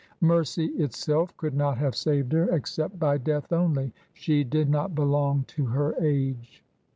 Mercy itself could not have saved her — except by death only. She did not belong to her age.